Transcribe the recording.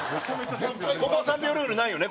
３秒ルールないよね？